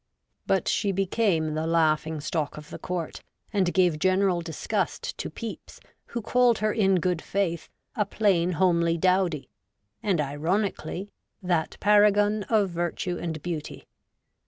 But she became the laughing stock of the Court and gave general disgust to Pepys, who calls her in good faith ' a plain, homely dowdy,' and ironically ' that paragon of virtue and beauty.'